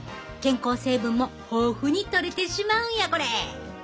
健康成分も豊富に取れてしまうんやこれ。